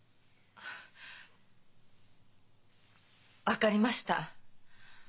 分かりました。